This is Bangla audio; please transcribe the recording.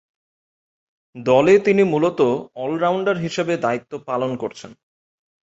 দলে তিনি মূলতঃ অল-রাউন্ডার হিসেবে দায়িত্ব পালন করছেন।